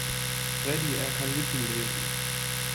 Freddie, er kann Lippen lesen.